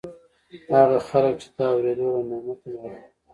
هغه خلک چې د اورېدو له نعمته محروم وو